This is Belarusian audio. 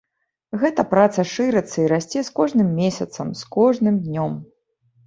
Гэта праца шырыцца і расце з кожным месяцам, з кожным днём.